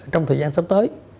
trong thời gian sắp tới